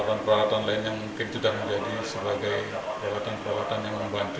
dan peralatan lain yang mungkin sudah menjadi sebagai peralatan peralatan yang membantu